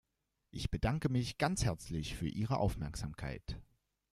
Ich bedanke mich ganz herzlich für Ihre Aufmerksamkeit.